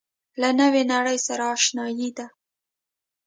له نوې نړۍ سره آشنايي ده.